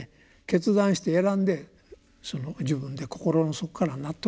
決断して選んでその自分で心の底から納得すると。